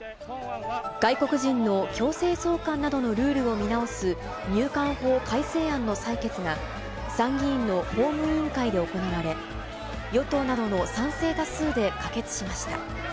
外国人の強制送還などのルールを見直す、入管法改正案の採決が、参議院の法務委員会で行われ、与党などの賛成多数で可決しました。